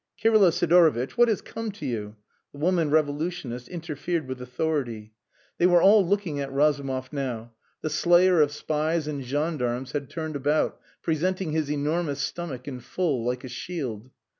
"Kirylo Sidorovitch what has come to you?" The woman revolutionist interfered with authority. They were all looking at Razumov now; the slayer of spies and gendarmes had turned about, presenting his enormous stomach in full, like a shield.